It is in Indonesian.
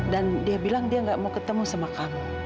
dan dia bilang dia nggak mau ketemu sama kamu